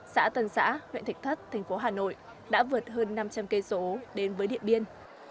xã tân xã huyện thạch thất thành phố hà nội đã vượt hơn năm trăm linh km đến với điện biên